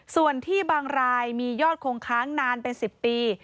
ส่วนที่บางรายมียอดคงค้างนานเป็น๑๐ปี